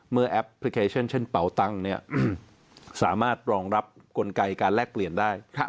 แอปพลิเคชันเช่นเป่าตังค์สามารถรองรับกลไกการแลกเปลี่ยนได้